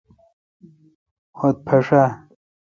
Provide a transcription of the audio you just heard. خط پھݭ آ؟